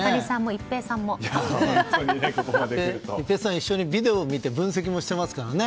一平さん、一緒にビデオを見て分析もしてますからね。